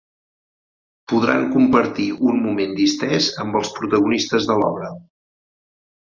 Podran compartir un moment distès amb els protagonistes de l'obra.